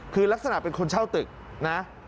คือลักษณะเป็นคนเช่าตึกนะ